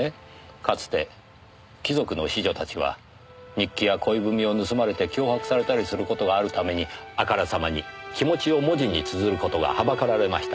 かつて貴族の子女たちは日記や恋文を盗まれて脅迫されたりする事があるためにあからさまに気持ちを文字につづる事がはばかられました。